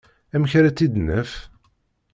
Amek ara tt-id-naf?